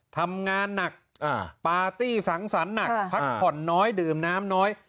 ทำงานหนักปาร์ตี้สังสรรค์หนักพักผ่อนน้อยดื่มน้ำน้อย